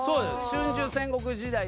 春秋戦国時代で。